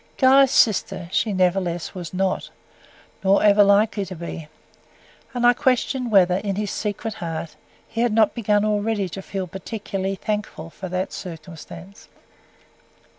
Guy's "sister" she nevertheless was not, nor was ever likely to be and I questioned whether, in his secret heart, he had not begun already to feel particularly thankful for that circumstance.